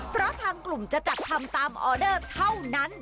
เพราะทางกลุ่มจะจัดทำตามออเดอร์เท่านั้น